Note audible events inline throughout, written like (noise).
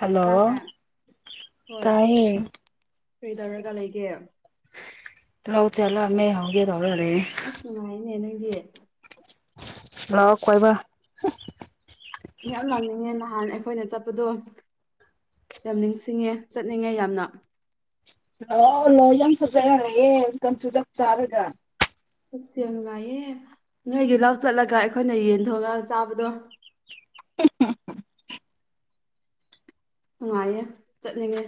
hello ꯇꯥꯕ꯭ꯔꯥ ꯍꯣꯏ ꯇꯥꯏ ꯀꯔꯤ ꯇꯧꯔꯒ ꯂꯩꯒꯦ ꯂꯧ ꯆꯠꯂꯝꯃꯦ ꯍꯧꯒꯦ ꯇꯧꯔ ꯂꯩꯌꯦ ꯑꯁ ꯅꯨꯡꯉꯥꯏꯅꯦ ꯅꯪꯒꯤ ꯂꯥꯎ ꯀꯣꯏꯕ ꯌꯥꯝ ꯅꯣꯛꯅꯤꯡꯉꯦ ꯅꯍꯥꯟ ꯑꯩꯈꯣꯏꯅ ꯆꯠꯄꯗꯣ ꯌꯥꯝ ꯅꯤꯡꯁꯤꯡꯉꯦ ꯆꯠꯅꯤꯡꯉꯦ ꯌꯥꯝꯅ ꯂꯥꯛꯑꯣ ꯂꯥꯛꯑꯣ ꯌꯥꯝ ꯐꯖꯔ ꯂꯩꯌꯦ ꯍꯧꯖꯤꯛꯀꯥꯟ ꯆꯨꯖꯥꯛ ꯆꯥꯔꯒ ꯑꯁ ꯌꯥꯝ ꯅꯨꯡꯉꯥꯏꯌꯦ ꯅꯣꯏꯒꯤ ꯂꯥꯎ ꯆꯠꯂꯒ ꯑꯩꯈꯣꯏꯅ ꯌꯦꯟ ꯊꯣꯛꯑꯒ ꯆꯥꯕꯗꯣ (unintelligible) ꯅꯨꯡꯉꯥꯏꯌꯦ ꯆꯠꯅꯤꯡꯉꯦ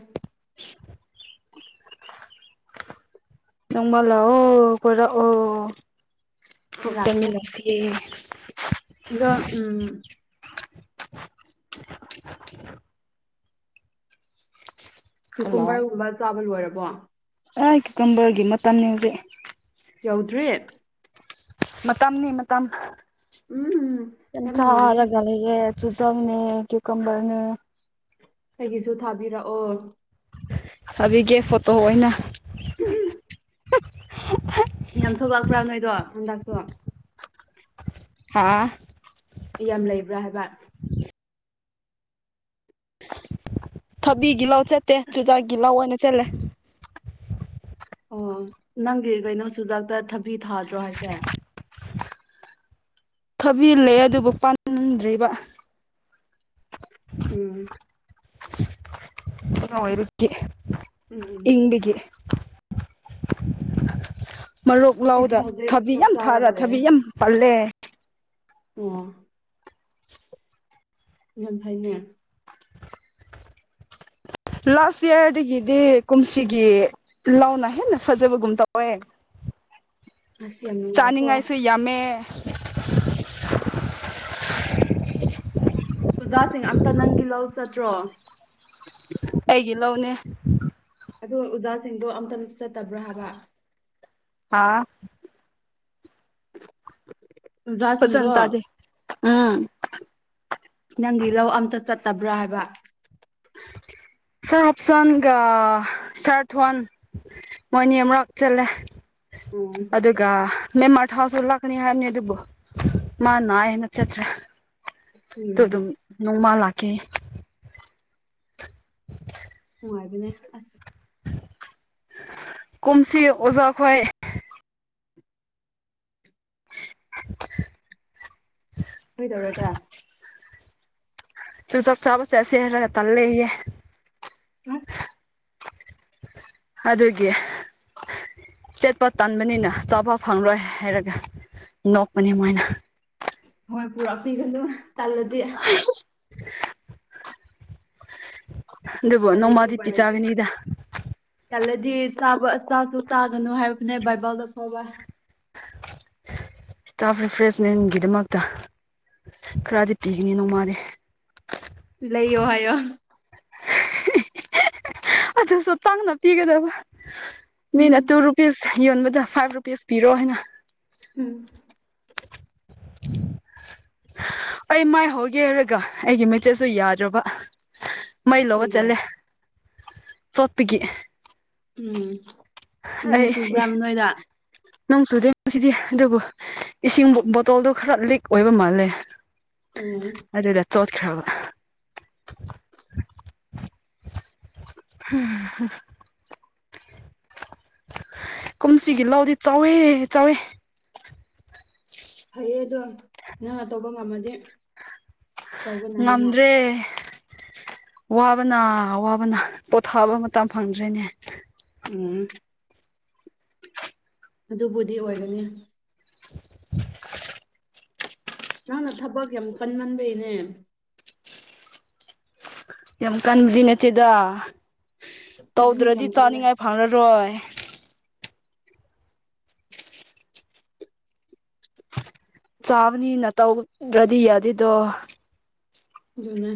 ꯅꯣꯡꯃ ꯂꯥꯛꯑꯣ ꯀꯣꯏꯔꯛꯑꯣ ꯄꯨꯛ ꯆꯥꯃꯤꯟꯅꯁꯦ ꯑꯗ ꯎꯝ ꯀꯨꯀꯨꯝꯕꯔꯒꯨꯝꯕ ꯆꯥꯕ ꯂꯣꯏꯔꯕꯣ ꯑꯥꯏ ꯀꯨꯀꯨꯝꯕꯔꯒꯤ ꯃꯇꯝꯅꯦ ꯍꯧꯖꯤꯛ ꯌꯧꯗ꯭ꯔꯤꯌꯦ ꯃꯇꯝꯅꯤ ꯃꯇꯝ ꯎꯝ ꯌꯦꯟ ꯌꯥꯝ ꯅꯨꯡꯉꯥꯏꯅꯦ ꯆꯥꯔꯒ ꯂꯩꯌꯦ ꯆꯨꯖꯪꯅꯦ ꯀ꯭ꯌꯨꯀꯝꯕꯔꯅꯦ ꯀꯩꯒꯤꯁꯨ ꯊꯥꯕꯤꯔꯛꯑꯣ ꯊꯥꯕꯤꯒꯦ ꯐꯣꯇꯣ ꯑꯣꯏꯅ ꯌꯥꯝ ꯊꯂꯛꯄ꯭ꯔꯥ ꯅꯣꯏꯗꯣ ꯍꯟꯗꯥꯛꯁꯨ ꯍꯥꯥ ꯌꯥꯝ ꯂꯩꯕ꯭ꯔꯥ ꯍꯥꯏꯕ ꯊꯕꯤꯒꯤ ꯂꯧ ꯆꯠꯇꯦ ꯆꯨꯖꯥꯛꯒꯤ ꯂꯧ ꯑꯣꯏꯅ ꯆꯠꯂꯦ ꯑꯣ ꯅꯪꯒꯤ ꯀꯩꯅꯣ ꯆꯨꯖꯥꯛꯇ ꯊꯕꯤ ꯊꯥꯗ꯭ꯔꯣ ꯍꯥꯏꯁꯦ ꯊꯥꯕꯤꯜꯂꯦ ꯑꯗꯨꯕꯨ ꯄꯥꯟꯅꯤꯡꯗ꯭ꯔꯤꯕ ꯎꯝ ꯑꯣꯏꯔꯛꯀꯤ ꯎꯝ ꯎꯝ ꯏꯪꯕꯤꯒꯤ ꯃꯔꯨꯛ ꯑꯩꯗꯤ ꯂꯧꯗ ꯍꯧꯖꯤꯛ ꯊꯕꯤ ꯆꯥꯛ ꯌꯥꯝ ꯊꯥꯔ ꯆꯥꯔꯒ ꯂꯩꯌꯦ ꯊꯕꯤ ꯌꯥꯝ ꯄꯜꯂꯦ ꯑꯣ ꯌꯥꯝ ꯐꯥꯏꯅꯦ ꯂꯥꯁ ꯌꯔ ꯗꯒꯤꯗꯤ ꯀꯨꯝꯁꯤꯒꯤ ꯂꯥꯎꯅ ꯍꯦꯟꯅ ꯐꯖꯕꯒꯨꯝ ꯇꯧꯋꯦ ꯑꯁ ꯌꯥꯝ ꯅꯨꯡꯉꯥꯏꯀꯣ ꯆꯥꯅꯤꯡꯉꯥꯏꯁꯨ ꯌꯥꯝꯃꯦ ꯑꯣꯖꯥꯁꯤꯡ ꯑꯝꯇ ꯅꯪꯒꯤ ꯂꯧ ꯆꯠꯇ꯭ꯔꯣ ꯑꯩꯒꯤ ꯂꯧꯅꯦ ꯑꯗꯨ ꯎꯖꯥꯁꯤꯡꯗꯣ ꯑꯝꯇꯪ ꯆꯠꯇꯕ꯭ꯔꯥ ꯍꯥꯏꯕ ꯍꯥ ꯑꯣꯖꯥꯁꯤꯡꯗꯣ ꯐꯖꯅ ꯇꯥꯗꯦ ꯎꯝ ꯅꯪꯒꯤ ꯂꯧ ꯑꯝꯇ ꯆꯠꯇꯕ꯭ꯔꯥ ꯍꯥꯏꯕ ꯁꯔ ꯑꯣꯞꯁꯟꯒ ꯁꯔ ꯊ꯭ꯋꯥꯟ ꯃꯣꯏꯅꯤ ꯑꯝꯔꯛ ꯆꯠꯂꯦ (unintelligible) ꯑꯗꯨꯒ ꯅꯦꯝꯃꯥꯔ ꯊꯥꯎꯁꯨ ꯂꯥꯛꯀꯅꯤ ꯍꯥꯏꯕꯅꯤ ꯑꯗꯨꯕꯨ ꯃꯥ ꯅꯥꯏꯌꯦꯅ ꯆꯠꯇ꯭ꯔꯦ ꯇ ꯎꯝ ꯑꯗꯨꯝ ꯅꯣꯡꯃ ꯂꯥꯛꯀꯦ (unintelligible) ꯅꯨꯡꯉꯥꯏꯕꯅꯤ ꯑꯁ ꯀꯨꯝꯁꯤ ꯑꯣꯖꯥ ꯈꯣꯏ (unintelligible) ꯀꯩꯗꯧꯔꯒꯦ ꯆꯨꯖꯥꯛ ꯆꯥꯕ ꯆꯠꯁꯦ ꯍꯥꯏꯔꯒ ꯇꯜꯂꯦꯌꯦ (unintelligible) ꯑꯗꯨꯒꯤ ꯆꯠꯄ ꯇꯟꯕꯅꯤꯅ ꯆꯥꯕ ꯐꯪꯔꯣꯏ ꯍꯥꯏꯔꯒ ꯅꯣꯛꯄꯅꯤ ꯃꯣꯏꯅ ꯃꯅꯤꯄꯨꯔ ꯑꯄꯨꯟꯕꯅ ꯇꯜꯂꯗꯤ ꯑꯗꯨꯕꯨ ꯇꯜꯂꯗꯤ ꯅꯣꯡꯃꯗꯤ ꯎꯄꯥꯏ ꯂꯩꯇꯦ ꯄꯤꯆꯥꯒꯅꯤꯗ ꯇꯜꯂꯗꯤ ꯆꯥꯕ ꯆꯥꯁꯨ ꯆꯥꯒꯅꯨ ꯍꯥꯏꯕꯅꯦ ꯕꯥꯏꯕꯜꯗ ꯐꯥꯎꯕ ꯇꯥꯐ ꯔꯤꯐ꯭ꯔꯦꯁꯃꯦꯟꯒꯤꯗꯃꯛꯇ ꯈꯔꯗꯤ ꯄꯤꯒꯅꯤ ꯅꯣꯡꯃꯗꯤ ꯂꯩꯌꯣ ꯍꯥꯏꯌꯣ ꯑꯗꯨꯁꯨ ꯇꯥꯡꯅ ꯄꯤꯒꯗꯕ ꯃꯤꯅ ꯎꯝ ꯑꯇꯨ ꯔꯨꯄꯤꯁ ꯌꯣꯟꯕꯗ ꯐꯥꯏꯚ ꯔꯨꯄꯤꯁ ꯄꯤꯔꯣ ꯍꯥꯏꯅ ꯎꯝ ꯎꯝ ꯑꯩ ꯃꯥꯏꯍꯧꯒꯦ ꯍꯥꯏꯔꯒ ꯑꯩꯒꯤ ꯃꯦꯆꯦꯠꯁꯨ ꯌꯥꯗ꯭ꯔꯕ ꯃꯩ ꯂꯧꯕ ꯀꯩꯒꯤ ꯆꯠꯂꯦ ꯆꯣꯠꯄꯒꯤ ꯎꯝ ꯅꯣꯡ ꯑꯩ ꯑꯦ ꯆꯨꯕ꯭ꯔꯥꯕ ꯅꯣꯏꯗ ꯅꯣꯡꯁꯨꯨꯗꯦ ꯉꯁꯤꯗꯤ ꯑꯗꯨꯕꯨ ꯏꯁꯤꯡ ꯕꯣꯇꯜꯗꯣ ꯈꯔ ꯂꯤꯛ ꯑꯣꯏꯕ ꯃꯥꯜꯂꯦ ꯎꯝ ꯑꯗꯨꯗ ꯆꯣꯠꯈ꯭ꯔꯕ ꯍꯨꯝ ꯍꯨꯝ ꯀꯨꯝꯁꯤꯒꯤ ꯂꯧꯗꯤ ꯆꯥꯎꯋꯦꯍꯦ ꯆꯥꯎꯋꯦ ꯐꯩꯌꯦ ꯑꯗꯣ ꯅꯪꯅ ꯇꯧꯕ ꯉꯝꯃꯗꯤ ꯇꯧꯕꯅ ꯍꯦꯟꯅ ꯉꯝꯗ꯭ꯔꯦ ꯋꯥꯕꯅ ꯋꯥꯕꯅ ꯄꯣꯊꯥꯕ ꯃꯇꯝ ꯐꯪꯗ꯭ꯔꯦꯅꯦ ꯎꯝ ꯑꯗꯨꯕꯨꯗꯤ ꯑꯣꯏꯒꯅꯤ (inaudible) ꯅꯪꯅ ꯊꯕꯛ ꯌꯥꯝ ꯀꯟꯃꯟꯕꯩꯅꯦ ꯌꯥꯝ ꯀꯟꯁꯤ ꯅꯠꯇꯦꯗ ꯎꯝ ꯇꯧꯗ꯭ꯔꯗꯤ ꯌꯥꯝ ꯀꯜꯂꯦ ꯆꯥꯅꯤꯡꯉꯥꯏ ꯐꯪꯔꯔꯣꯏ ꯆꯥꯕꯅꯤꯅ ꯇꯧꯗ꯭ꯔꯗꯤ ꯌꯥꯗꯦꯗꯣ ꯑꯗꯨꯅ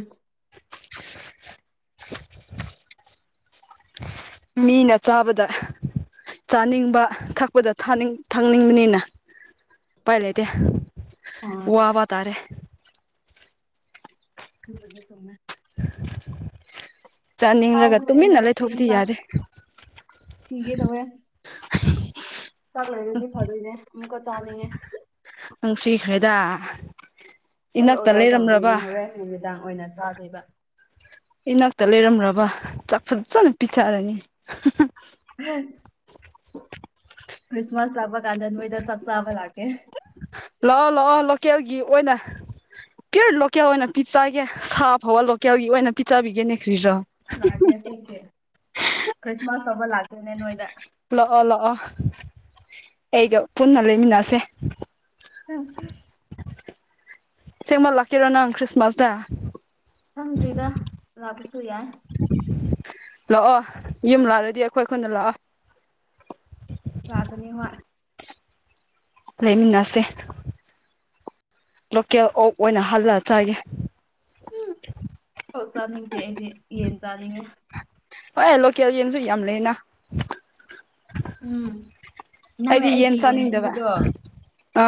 ꯃꯤꯅ ꯆꯥꯕꯗ ꯆꯥꯅꯤꯡꯕ ꯊꯛꯄꯗꯅꯤꯡ ꯊꯛꯅꯤꯡꯕꯅꯤꯅ ꯎꯄꯥꯏ ꯂꯩꯇꯦ ꯑ ꯋꯥꯕꯇꯥꯔꯦ ꯌꯥ ꯁꯃꯃꯦ ꯆꯥꯅꯤꯡꯂꯒ ꯊꯥꯎꯗꯣ ꯑꯩꯅ ꯇꯨꯃꯤꯟꯅ ꯉꯁꯤ ꯂꯩꯊꯣꯛꯄꯗꯤ ꯏꯟꯁꯥꯡ ꯌꯥꯗꯦ ꯊꯤꯒꯦ ꯇꯧꯋꯦ ꯆꯥꯛ ꯂꯩꯔꯗꯤ ꯐꯗꯣꯏꯅꯦ ꯑꯃꯨꯛꯀ ꯆꯥꯅꯤꯡꯉꯦ ꯅꯨꯡꯁꯤꯈ꯭ꯔꯦꯗ ꯑꯩ ꯏꯅꯛꯇ ꯑꯣꯔꯗꯔ ꯂꯩꯔꯝꯂꯕ ꯇꯧꯗꯣꯏꯅꯦ ꯍꯣꯔꯦꯟ ꯅꯨꯃꯤꯗꯥꯡ ꯑꯣꯏꯅ ꯆꯥꯗꯣꯏꯕ ꯏꯅꯥꯛꯇ ꯂꯩꯔꯝꯕ ꯆꯥꯛ ꯐꯖꯅ ꯄꯤꯊꯛꯔꯅꯤ ꯈ꯭ꯔꯤꯁꯃꯁ ꯂꯥꯕꯀꯥꯟꯗ ꯅꯣꯏꯗ ꯆꯥꯛ ꯆꯥꯕ ꯂꯥꯀꯦ ꯂꯥꯛꯑꯣ ꯂꯥꯛꯑꯣ ꯂꯣꯀꯦꯜꯒꯤ ꯑꯣꯏꯅ ꯄꯤꯌꯣꯔ ꯂꯣꯀꯦꯜ ꯑꯣꯏꯅ ꯄꯤꯆꯒꯦ ꯁꯥ ꯐꯥꯎꯕ ꯂꯣꯀꯦꯜꯒꯤ ꯑꯣꯏꯅ ꯄꯤꯆꯕꯤꯒꯦꯅꯦ ꯈ꯭ꯔꯤꯖꯣ ꯂꯥꯛꯑꯒꯦ ꯊꯦꯡꯀꯦ ꯈ꯭ꯔꯤꯁꯃꯥꯁ ꯐꯕ ꯂꯥꯛꯒꯦꯅꯦ ꯅꯣꯏꯗ ꯂꯥꯛꯑꯣ ꯂꯥꯛꯑꯣ ꯑꯩꯒ ꯄꯨꯟꯅ ꯂꯩꯃꯤꯟꯅꯁꯦ ꯎꯝ ꯁꯤꯦꯡꯃꯜ ꯂꯥꯛꯀꯤꯔꯣ ꯅꯪ ꯀ꯭ꯔꯤꯁꯃꯁꯗ ꯁꯪꯗ꯭ꯔꯤꯗ ꯂꯥꯛꯄꯁꯨ ꯌꯥꯏ ꯂꯥꯛꯑꯣ ꯌꯨꯝ ꯂꯥꯛꯂꯗꯤ ꯑꯩꯈꯣꯏ ꯑꯩꯈꯟꯗ ꯂꯥꯛꯑꯣ ꯂꯥꯛꯒꯅꯤ ꯍꯣꯏ ꯂꯩꯃꯤꯟꯅꯁꯦ ꯂꯣꯀꯦꯜ ꯑꯣꯛ ꯑꯣꯏꯅ ꯍꯜꯂꯒ ꯆꯥꯏꯌꯦ ꯎꯝ ꯍꯧ ꯆꯥꯅꯤꯡꯗꯦ ꯑꯩꯗꯤ ꯌꯦꯟ ꯆꯥꯅꯤꯡꯉꯦ ꯍꯣꯏ ꯑꯦ ꯂꯣꯀꯦꯜ ꯌꯦꯟꯁꯨ ꯌꯥꯝ ꯂꯩꯅ ꯎꯝ ꯅꯪꯅ ꯑꯩꯗꯤ ꯌꯦꯟ ꯑꯩꯒꯤ ꯆꯅꯤꯡꯗꯕ ꯄꯤꯕꯗꯣ ꯑ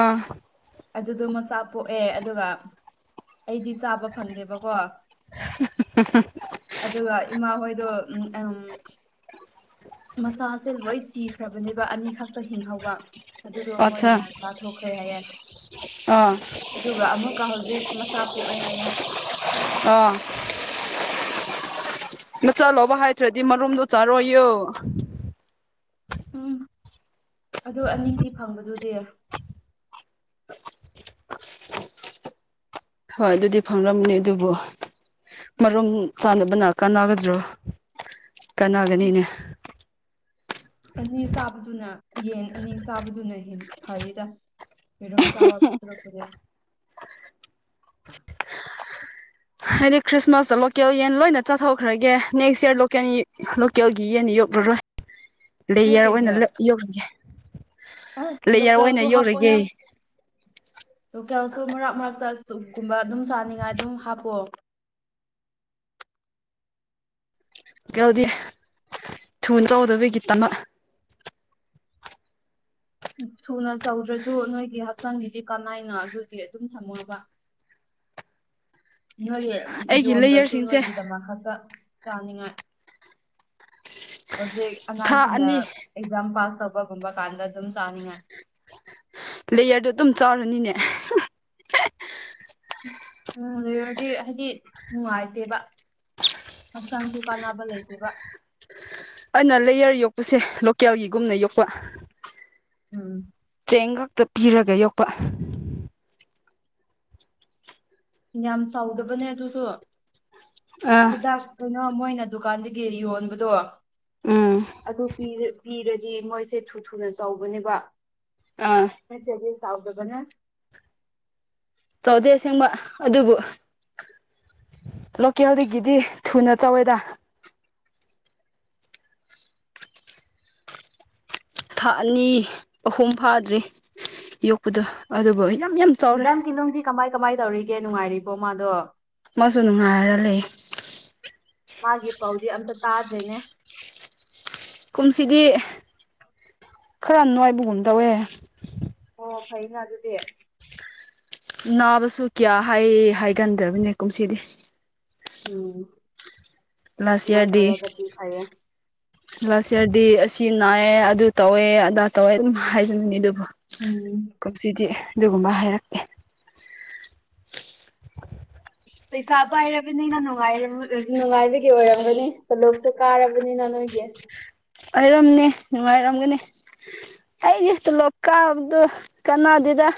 ꯑꯗꯨꯗꯣ ꯃꯆꯥ ꯄꯣꯛꯑꯦ ꯑꯗꯨꯒ ꯑꯩꯗꯤ ꯆꯥꯕ ꯐꯪꯗꯦꯕꯀꯣ ꯍ ꯍꯝ ꯑꯗꯨꯒ ꯏꯃꯥ ꯍꯣꯏꯗꯣ ꯎꯝ ꯃꯁꯥꯁꯦ ꯂꯣꯏ ꯆꯤꯈ꯭ꯔꯕꯅꯦꯕ ꯑꯅꯤꯈꯛꯇ ꯍꯤꯡꯍꯧꯕ ꯑꯗꯨꯗꯣ ꯑꯠꯆꯥ ꯃꯣꯏꯅ ꯇꯥꯊꯣꯛꯈ꯭ꯔꯦ ꯍꯥꯏꯌꯦ ꯑꯥ ꯑꯗꯨꯒ ꯑꯃꯨꯛꯀ ꯍꯧꯖꯤꯛ ꯃꯆꯥ ꯄꯣꯛꯑꯦ ꯍꯥꯏꯌꯦꯦ ꯑꯥ ꯅ ꯆꯠꯂꯣꯕ ꯍꯥꯏꯗ꯭ꯔꯗꯤ ꯃꯔꯨꯝꯗꯣ ꯆꯥꯔꯣꯏꯌꯨ ꯎꯝ ꯑꯗꯨ ꯑꯅꯤꯗꯤ ꯐꯪꯕꯗꯨꯗꯤ ꯍꯣꯏ ꯑꯗꯨꯗꯤ ꯐꯪꯔꯝꯅꯤ ꯑꯗꯨꯕꯨ ꯃꯔꯨꯝ ꯆꯥꯅꯕꯅ ꯀꯥꯟꯅꯒꯗ꯭ꯔꯣ ꯀꯥꯟꯅꯒꯅꯤꯅꯦ ꯑꯅꯤ ꯆꯥꯕꯗꯨꯅ ꯌꯦꯟ ꯑꯅꯤ ꯆꯥꯕꯗꯨꯅ ꯍ ꯐꯔꯤꯔ ꯄꯤꯔꯝ ꯆꯥꯕꯨꯔꯛꯄꯗꯦ ꯍꯥꯏꯗꯤ ꯈ꯭ꯔꯤꯁꯃꯥꯁꯇ ꯂꯣꯀꯦꯜ ꯌꯦꯟ ꯂꯣꯏꯅ ꯆꯥꯊꯣꯛꯈ꯭ꯔꯒꯦ ꯅꯦꯛꯁ ꯌꯔ ꯂꯣꯀꯦꯜ ꯂꯣꯀꯦꯜꯒꯤ ꯌꯦꯟ ꯌꯣꯛꯂꯔꯣꯏ ꯅꯣꯏ ꯂꯦꯌꯔ ꯑꯣꯏꯅ ꯀꯩꯒꯤ ꯌꯧꯔꯒꯦ ꯑꯁ ꯂꯦꯌꯔ ꯑꯣꯏꯅ ꯂꯣꯀꯦꯜꯁꯨ ꯌꯧꯔꯒꯦ ꯍꯥꯞꯄꯣꯍꯦ ꯂꯣꯀꯦꯜꯁꯨ ꯃꯔꯛ ꯃꯔꯛꯇ ꯆꯞꯀꯨꯝꯕ ꯑꯗꯨꯝ ꯆꯥꯅꯤꯡꯉꯥꯏ ꯑꯗꯨꯝ ꯍꯥꯞꯄꯑꯣ ꯀꯦꯜꯗꯤ ꯊꯨ ꯆꯥꯎꯗꯕꯒꯤꯗꯃꯛ ꯊꯨꯅ ꯆꯧꯗ꯭ꯔꯁꯨ ꯅꯣꯏꯒꯤ ꯍꯛꯆꯥꯡꯒꯤꯗꯤ ꯀꯃꯥꯏꯅ ꯑꯗꯨꯗꯤ ꯑꯗꯨꯝ ꯊꯝꯃꯣꯕ ꯅꯣꯏ ꯑꯩꯒꯤ ꯌꯣꯟꯗ꯭ꯔꯁꯨ ꯂꯦꯌꯔꯁꯤꯡꯁꯦ ꯅꯣꯏꯒꯤꯗꯃꯛ ꯈꯛꯇ ꯆꯥꯅꯤꯡꯉꯥꯏ ꯍꯧꯖꯤꯛ ꯊꯥ ꯑꯉꯥꯡꯁꯤꯡꯅ ꯑꯅꯤ ꯑꯦꯛꯖꯥꯝ ꯄꯥꯁ ꯇꯧꯕꯒꯨꯝꯕ ꯀꯥꯟꯗ ꯑꯗꯨꯝ ꯆꯥꯅꯤꯡꯉꯥꯏ ꯂꯦꯌꯔꯗꯣ ꯑꯗꯨꯝ ꯆꯥꯔꯅꯤꯅꯦ ꯎꯝ ꯂꯩꯔꯨꯔꯗꯤ ꯍꯥꯏꯗꯤ ꯅꯨꯡꯉꯥꯏꯇꯦꯕ ꯍꯛꯆꯥꯡꯁꯨ ꯀꯥꯟꯅꯕ ꯂꯩꯇꯦꯕ ꯑꯩꯅ ꯂꯩꯌꯔ ꯌꯣꯛꯄꯁꯦ ꯂꯣꯀꯦꯜꯒꯤꯒꯨꯝꯅ ꯌꯣꯛꯄ ꯎꯝ ꯆꯦꯡ ꯈꯛꯇ ꯄꯤꯔꯒ ꯌꯣꯛꯄ ꯌꯥꯝ ꯆꯥꯎꯗꯕꯅꯦ ꯑꯗꯨꯁꯨ ꯑꯥ ꯍꯤꯗꯥꯛ ꯀꯩꯅꯣ ꯃꯣꯏꯅ ꯗꯨꯀꯥꯟꯗꯒꯤꯔꯤ ꯌꯣꯟꯕꯗꯣ ꯎꯝ ꯑꯗꯨ ꯃꯣꯏꯁꯦ ꯊꯨ ꯊꯨꯅ ꯆꯥꯎꯕꯅꯦꯕ ꯑꯥ ꯃ ꯆꯁꯥꯎꯗꯕꯅꯦ ꯆꯥꯎꯧꯗꯩ ꯑꯁꯦꯡꯕ ꯑꯗꯨꯕꯨ ꯂꯣꯀꯦꯜꯗꯒꯤꯗꯤ ꯊꯨꯅ ꯆꯥꯎꯧꯋꯦꯗ ꯊꯥ ꯑꯅꯤ ꯑꯍꯨꯝ ꯐꯥꯗ꯭ꯔꯔꯤ ꯌꯣꯛꯄꯗ ꯑꯗꯨꯕꯨ ꯌꯥꯝ ꯌꯥꯝ ꯆꯥꯎꯔꯦ ꯃꯦꯗꯥꯝ ꯀꯤꯂꯣꯗꯤ ꯀꯃꯥꯏ ꯀꯃꯥꯏ ꯇꯧꯔꯤꯒꯦ ꯅꯨꯡꯉꯥꯏꯔꯤꯕꯣ ꯃꯥꯗꯣ ꯃꯁꯨ ꯅꯨꯡꯉꯥꯏꯔ ꯂꯩ ꯃꯥꯒꯤ ꯄꯥꯎꯁꯦ ꯑꯝꯇ ꯇꯥꯗ꯭ꯔꯤꯅꯦ ꯀꯨꯝꯁꯤꯗꯤ ꯈꯔ ꯅꯨꯡꯉꯥꯏꯕꯒꯨꯝ ꯇꯧꯋꯦ ꯑꯣ ꯐꯩꯅ ꯑꯗꯨꯗꯤ ꯅꯥꯕꯁꯨ ꯀꯌꯥ ꯍꯥꯏ ꯍꯥꯏꯒꯟꯗ꯭ꯔꯕꯅꯦ ꯀꯨꯝꯁꯤꯗꯤ ꯎꯝ ꯑꯗꯨꯃꯥꯏꯅ ꯁꯤꯌꯥꯗꯤ ꯇꯧꯔꯒꯗꯤ ꯐꯩꯌꯦ ꯂꯥꯁ ꯏꯌꯥꯔꯗꯤ ꯑꯁꯤ ꯅꯥꯏꯌꯦꯦ ꯑꯗꯨ ꯇꯧꯋꯦ ꯑꯗꯥ ꯇꯧꯋꯦ ꯑꯗꯨꯝ ꯍꯥꯏꯖꯅꯤꯡꯅꯤ ꯑꯗꯨꯕꯨꯣ ꯎꯝ ꯀꯨꯝꯁꯤꯗꯤ ꯑꯗꯨꯒꯨꯝꯕ ꯍꯥꯏꯔꯛꯇꯦ ꯄꯩꯁꯥ ꯄꯥꯏꯔꯕꯅꯤꯅ ꯅꯨꯡꯉꯥꯏ ꯅꯨꯡꯉꯥꯏꯕꯒꯤ ꯑꯣꯏꯔꯝꯒꯅꯤ ꯇꯣꯂꯣꯛꯁꯨ ꯀꯥꯔꯕꯅꯤꯅ ꯅꯣꯏꯒꯤ ꯑꯣꯏꯔꯝꯅꯦ ꯅꯨꯡꯉꯥꯏꯔꯝꯒꯅꯤ ꯑꯩꯁ ꯇꯂꯣꯞꯀꯥꯕꯗꯨ ꯀꯩꯅꯣꯗꯨꯗ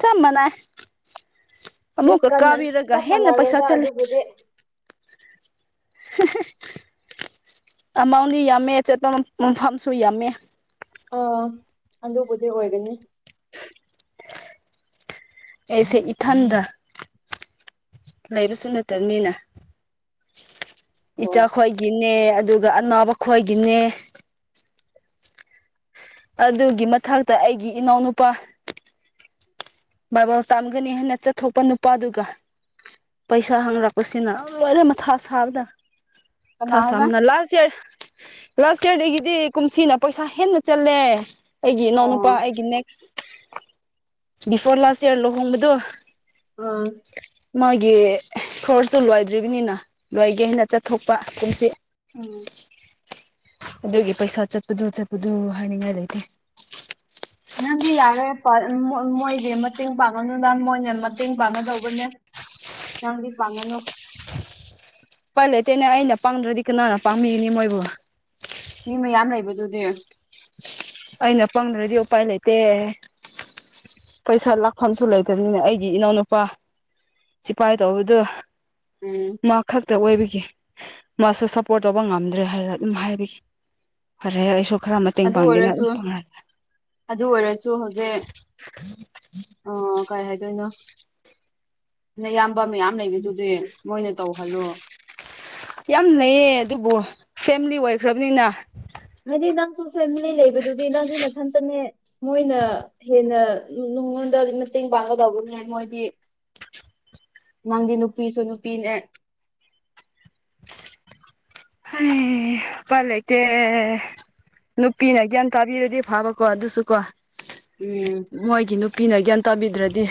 ꯆꯞ ꯃꯥꯟꯅ ꯑꯃꯃꯨꯀ ꯀꯥꯕꯤꯔꯒ ꯍꯦꯟꯅ ꯄꯩꯁꯥ ꯆꯂꯦ ꯦ ꯑꯃꯥꯎꯟꯗꯤ ꯌꯥꯝꯃꯦ ꯆꯠꯄ ꯃꯐꯝꯁꯨ ꯌꯥꯝꯃꯦ ꯑꯥ ꯑꯗꯨꯕꯨꯗꯤ ꯑꯣꯏꯒꯅꯤ ꯑꯩꯁꯦ ꯏꯊꯟꯗ ꯂꯩꯕꯁꯨ ꯅꯠꯇꯕꯅꯤꯅ ꯏꯆꯥ ꯍꯣꯏ ꯈ꯭ꯣꯏ ꯒꯤꯅꯦ ꯑꯗꯨꯒ ꯑꯅꯥꯕ ꯈꯣꯏꯒꯤꯅꯦ ꯑꯗꯨꯒꯤ ꯃꯊꯛꯇ ꯑꯩꯒꯤ ꯏꯅꯥꯎꯅꯨꯄꯥ ꯕꯥꯏꯕꯜ ꯇꯥꯝꯒꯅꯤ ꯍꯥꯏꯅ ꯆꯠꯊꯣꯛꯄ ꯅꯨꯄꯥꯗꯨꯒ ꯄꯩꯁꯥ ꯍꯥꯡꯔꯛꯄꯁꯤꯅ ꯂꯣꯏꯅ ꯃꯊꯥ ꯁꯥꯕꯗ ꯀꯅꯥ ꯊ ꯍꯥꯏꯕ ꯁꯝꯅ ꯂꯥꯁ ꯌꯥꯔ ꯂꯥꯁ ꯏꯔꯗꯒꯤꯗꯤ ꯀꯨꯝꯁꯤꯅ ꯄꯩꯁꯥ ꯍꯦꯟꯅ ꯆꯜꯂꯦ ꯑꯩꯒꯤ ꯏꯅꯥꯎꯅꯨꯄꯥ ꯑꯣ ꯑꯩꯒꯤ ꯅꯦꯛꯁ ꯕꯤꯐꯣꯔ ꯂꯥꯁ ꯏꯔ ꯂꯨꯍꯣꯡꯕꯗꯣ ꯑꯥ ꯃꯥꯒꯤ ꯈꯣꯔꯁꯁꯨ ꯂꯣꯏꯗ꯭ꯔꯤꯕꯅꯤꯅ ꯂꯣꯏꯒꯦ ꯑꯩꯅ ꯆꯠꯊꯣꯛꯄ ꯀꯨꯝꯁꯤ ꯎꯝ ꯑꯗꯨꯒꯤ ꯄꯩꯁꯥ ꯆꯠꯄꯗꯨꯣ ꯆꯠꯄꯗꯣ ꯍꯥꯏꯅꯤꯡꯉꯥꯏ ꯂꯩꯇꯦ ꯅꯪꯗꯤ ꯌꯥꯔꯦ ꯃꯣꯏꯗꯤ ꯃꯇꯦꯡ ꯄꯥꯡꯉꯅꯨꯗ ꯃꯣꯏꯅ ꯃꯇꯦꯡ ꯄꯥꯡꯒꯗꯧꯕꯅꯦ ꯅꯥꯡꯪꯗꯤ ꯐꯪꯅ ꯄꯜ ꯂꯩꯇꯦꯅꯦ ꯑꯩꯅ ꯄꯥꯗ꯭ꯔꯗꯤ ꯀꯅꯥꯅ ꯄꯥꯝꯃꯤꯅꯤ ꯃꯣꯏꯕꯨ ꯃꯤ ꯃꯌꯥꯝ ꯂꯩꯕꯗꯨꯗꯤ ꯑꯩꯅ ꯄꯪꯗ꯭ꯔꯗꯤ ꯎꯄꯥꯏ ꯂꯩꯇꯦ ꯄꯩꯁꯥ ꯂꯥꯛꯐꯝꯁꯨ ꯂꯩꯇꯕꯅꯤꯅ ꯑꯩꯒꯤ ꯏꯅꯥꯎꯅꯨꯄꯥ ꯁꯤꯖꯤꯄꯥꯏꯇ ꯍꯧꯗ ꯎꯝ ꯃꯥ ꯈꯛꯇ ꯑꯣꯏꯕꯒꯤ ꯃꯥꯁꯨ ꯁꯄꯣꯔꯠ ꯇꯧꯕ ꯉꯝꯗ꯭ꯔꯦ ꯍꯥꯏꯔ ꯑꯗꯨꯝ ꯍꯥꯏꯕꯒꯤ ꯐꯔꯦ ꯑꯩꯁꯨ ꯈꯔꯝ ꯑꯗꯨ ꯑꯣꯏꯔꯁꯨ ꯑꯗꯨ ꯑꯣꯏꯔꯁꯨ ꯍꯧꯖꯤꯛ ꯑꯣ ꯀꯔꯤ ꯍꯥꯏꯗꯣꯏꯅꯣ ꯩꯅꯌꯥꯝꯕ ꯃꯌꯥꯝ ꯂꯩꯕꯗꯨꯗꯤ ꯃꯣꯏꯅ ꯇꯧꯍꯜꯂꯣ ꯌꯥꯝ ꯂꯩꯌꯦ ꯑꯗꯨꯕꯨ ꯐꯦꯃꯤꯂꯤ ꯑꯣꯏꯈ꯭ꯔꯕꯅꯤꯅ ꯍꯥꯏꯗꯤ ꯅꯪꯁꯨ ꯐꯦꯃꯤꯂꯤ ꯂꯩꯕꯗꯨꯗꯤ ꯅꯪꯒꯤ ꯅꯊꯟꯇꯅꯦ ꯃꯣꯏꯅ ꯍꯦꯟꯅ ꯅꯉꯣꯟꯗ ꯃꯇꯦꯡ ꯄꯥꯡꯒꯗꯧꯕꯅꯦ ꯃꯣꯏꯗꯤ ꯅꯪꯗꯤ ꯅꯨꯄꯤꯁꯨ ꯅꯨꯄꯤꯅꯦ ꯑ ꯐ ꯂꯩꯀ ꯅꯨꯄꯤꯅ ꯒ꯭ꯌꯥꯟ ꯇꯥꯕꯤꯔꯗꯤ ꯐꯥꯕꯀꯣ ꯑꯗꯨꯁꯨ ꯀꯣ ꯎꯝ ꯃꯣꯏꯒꯤ ꯅꯨꯄꯤꯅ ꯒ꯭ꯌꯥꯟ ꯇꯥꯕꯤꯗ꯭ꯔꯗꯤ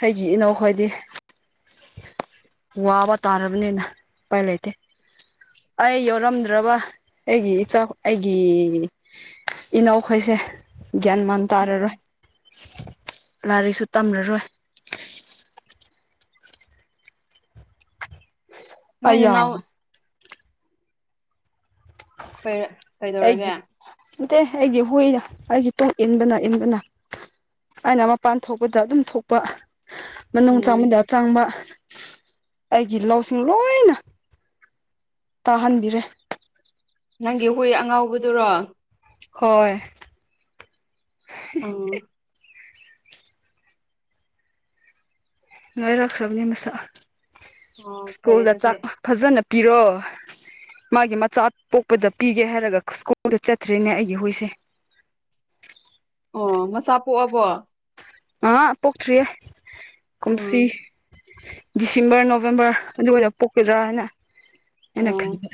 ꯑꯩꯒꯤ ꯏꯅꯥꯎꯈꯣꯏꯗꯤ ꯋꯥꯕ ꯇꯥꯔꯕꯅꯤꯅ ꯎꯄꯥꯏ ꯂꯩꯇꯦ ꯑꯩ ꯌꯥꯎꯔꯝꯗ꯭ꯔꯕ ꯑꯩꯒꯤ ꯏꯆꯥꯎ ꯑꯩꯒꯤ ꯏꯅꯥꯎꯈꯣꯏꯁꯦ ꯒ꯭ꯌꯥꯟ ꯃꯥꯟ ꯎꯝ ꯇꯥꯔꯔꯣꯏ ꯂꯥꯏꯔꯤꯛꯁꯨ ꯇꯝꯔꯔꯣꯏ ꯅꯣꯏ ꯑꯌꯥ ꯅꯅꯥꯎ ꯀꯩꯔ ꯀꯩꯗꯧꯔꯒꯦ ꯑꯩꯒꯤ ꯅꯠꯇꯦ ꯑꯩꯒꯤ ꯍꯨꯏꯅ ꯑꯩꯒꯤ ꯇꯨꯡ ꯏꯟꯕꯅ ꯏꯟꯕꯅ ꯑꯩꯅ ꯃꯄꯥꯟ ꯊꯣꯛꯄꯗ ꯑꯗꯨꯝ ꯊꯣꯛꯄ ꯅꯅꯨꯡ ꯎꯝ ꯆꯥꯕꯗ ꯑꯆꯥꯡꯕ ꯑꯩꯒꯤ ꯂꯧꯁꯤꯡ ꯂꯣꯏ ꯇꯥꯍꯟꯕꯤꯔꯦ ꯅꯪꯒꯤ ꯍꯣꯏ ꯑꯉꯥꯎꯕꯗꯨꯔꯣ ꯍꯣꯏ ꯑꯣ ꯂꯣꯏꯔꯛꯈ꯭ꯔꯕꯅꯤ ꯃꯁꯛ ꯑꯣ ꯐꯩꯌꯦ ꯁ꯭ꯀꯨꯜꯗ ꯑꯗꯨꯗꯤ ꯆꯥꯛ ꯐꯖꯅ ꯄꯤꯔꯣ ꯃꯥꯒꯤ ꯃꯆꯥ ꯄꯣꯛꯄꯗ ꯄꯤꯒꯦ ꯍꯥꯏꯔꯒ ꯁ꯭ꯀꯨꯜꯗ ꯆꯠꯇ꯭ꯔꯤꯅꯦ ꯑꯩꯒꯤ ꯍꯣꯏꯁꯦ ꯑꯣ ꯃꯆꯥꯥ ꯄꯣꯛꯑꯕꯣ ꯑ ꯄꯣꯛꯇ꯭ꯔꯤꯌꯦ ꯀꯨꯝꯁꯤ ꯎꯝ ꯗꯤꯁꯦꯝꯕꯔ ꯅꯣꯕꯦꯝꯕꯔ ꯑꯗꯨ ꯑꯣꯏꯅ ꯄꯣꯛꯀꯗ꯭ꯔꯥꯅ ꯑꯩꯅ ꯑꯣ ꯈꯟꯕ